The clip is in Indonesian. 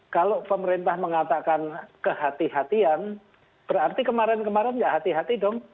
kalau pemerintah mengatakan kehatian kehatian berarti kemarin kemarin ya hati hati dong